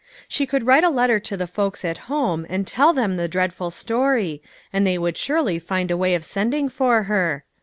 She could write a letter to the folks at home and tell them the dreadful story, and they would surely find a way of sending for her.